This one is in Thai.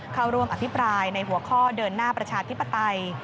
เข้าร่วมอภิปรายในหัวข้อเดินหน้าประชาธิปไตย